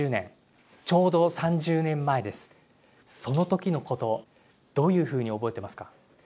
その時のことどういうふうに覚えてますか？